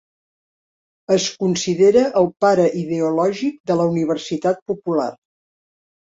Es considera el pare ideològic de la Universitat Popular.